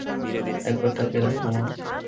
একবার তাকিয়ে দেখো, মা।